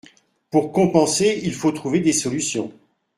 Pour compenser, il faut trouver des solutions.